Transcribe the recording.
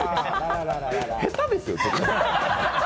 下手ですよ。